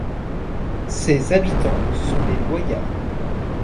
Ses habitants sont les Loyards.